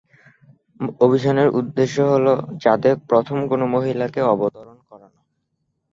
অভিযানের উদ্দেশ্য হল চাঁদে প্রথম কোনও মহিলাকে অবতরণ করানো।